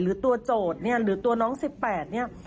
หรือตัวโจทย์เนี่ยหรือตัวน้อง๑๘เนี่ย